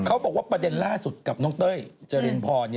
เขาบอกว่าประเด็นล่าสุดกับน้องเต้ยเจรินพร